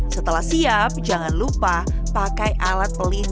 setelah siap jangan lupa pakai alat pelindung